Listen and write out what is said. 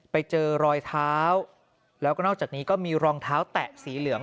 ไปเจอรอยเท้าแล้วก็นอกจากนี้ก็มีรองเท้าแตะสีเหลือง